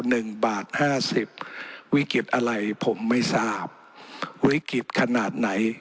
หนึ่งบาทห้าสิบวิกฤตอะไรผมไม่ทราบวิกฤตขนาดไหน